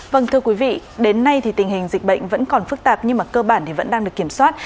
vâng thưa quý vị đến nay thì tình hình dịch bệnh vẫn còn phức tạp nhưng mà cơ bản thì vẫn đang được kiểm soát